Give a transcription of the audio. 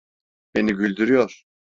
Beni güldürüyor.